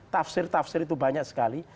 tafsir tafsir itu banyak sekali